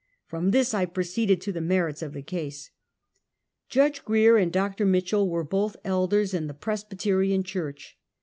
From this I proceeded to the merits of the case. Judge Grier and Dr. Mitchell were both elders in the Presbyterian church.